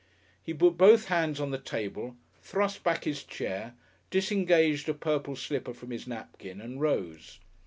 He put both hands on the table, thrust back his chair, disengaged a purple slipper from his napkin, and rose.